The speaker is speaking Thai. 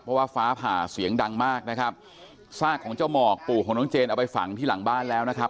เพราะว่าฟ้าผ่าเสียงดังมากนะครับซากของเจ้าหมอกปู่ของน้องเจนเอาไปฝังที่หลังบ้านแล้วนะครับ